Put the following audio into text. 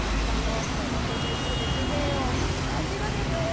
フォトジェニックで風情を感じるでしょ？